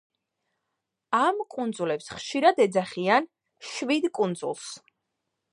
ამ კუნძულებს ხშირად ეძახიან „შვიდ კუნძულს“.